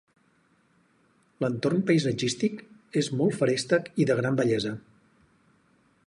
L'entorn paisatgístic és molt feréstec i de gran bellesa.